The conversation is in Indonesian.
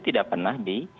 tidak pernah di